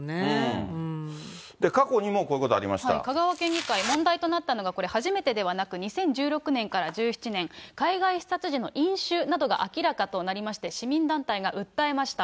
過去にもこういうことがあり香川県議会、問題となったのがこれ、初めてではなく、２０１６年から１７年、海外視察時の飲酒などが明らかとなりまして、市民団体が訴えました。